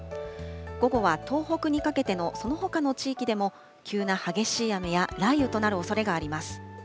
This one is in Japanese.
午後は東北にかけてのそのほかの地域でも、急な激しい雨や雷雨となるおそれがあります。